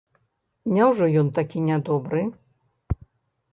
Няўжо ён такі нядобры?